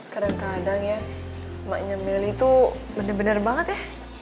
kadang kadang ya emaknya milih tuh bener bener banget ya